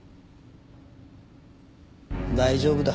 大丈夫だ。